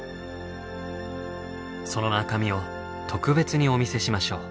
その中身を特別にお見せしましょう。